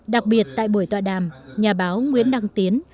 đặc biệt tại buổi tọa đàm nhà báo nguyễn đăng tiến